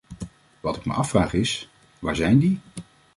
Wat ik me afvraag is: waar zijn die?